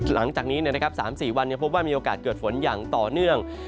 หลังจากนี้๓๔วันยังพบว่ามีโอกาสเกิดฝนอย่างต่อเนื่อง